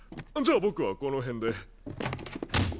じゃあ僕はこの辺で。